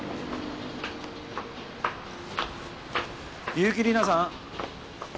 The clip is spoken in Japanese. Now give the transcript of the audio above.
結城里奈さん？